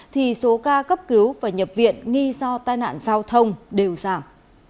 thì số ca cấp cứu và nhập viện nghi do tai nạn giao thông đều giảm